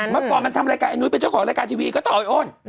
เมื่อก่อนมันทำรายการไอ้นุ้ยเป็นเจ้าของรายการทีวีก็ต้องเอาไอ้อ้น